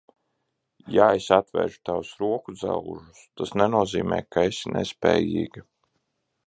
Ja es atvēršu tavus rokudzelžus, tas nenozīmē, ka esi nespējīga.